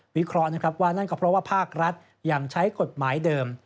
วิเคราะห์นะครับว่านั่นก็เพราะว่าภาครัฐยังใช้กฎหมายเดิม